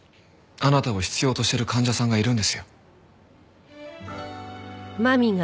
あなたを必要としてる患者さんがいるんですよ。